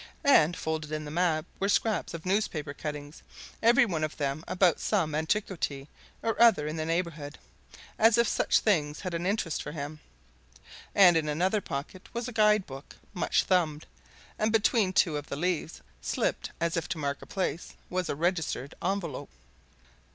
And folded in the map were scraps of newspaper cuttings, every one of them about some antiquity or other in the neighbourhood, as if such things had an interest for him. And in another pocket was a guide book, much thumbed, and between two of the leaves, slipped as if to mark a place, was a registered envelope.